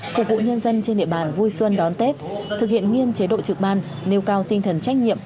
phục vụ nhân dân trên địa bàn vui xuân đón tết thực hiện nghiêm chế độ trực ban nêu cao tinh thần trách nhiệm